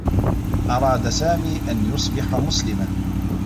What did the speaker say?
أراد سامي أن يصبح مسلما.